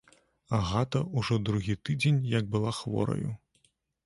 Агата ўжо другі тыдзень, як была хвораю.